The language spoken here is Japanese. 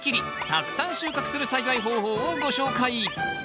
たくさん収穫する栽培方法をご紹介！